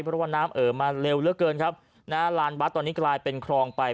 เพราะว่าน้ำเอ่อมาเร็วเหลือเกินครับนะฮะลานบัตรตอนนี้กลายเป็นคลองไป